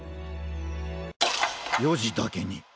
４じだけに。